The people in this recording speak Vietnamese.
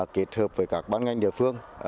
kết hợp với các bán ngành địa phương